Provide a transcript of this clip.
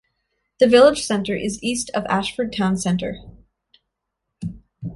The village centre is east of Ashford town centre.